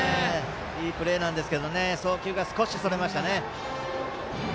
いいプレーなんですけど送球が少しそれましたね。